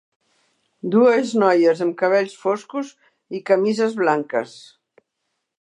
Dues noies amb cabells foscos i camises blanques.